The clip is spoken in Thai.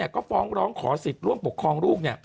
ก็ฟ้องร้องขอสิทธิ์ร่วมปกครองลูก